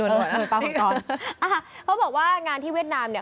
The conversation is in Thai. เออปลามังกรเขาบอกว่างานที่เวียดนามเนี่ย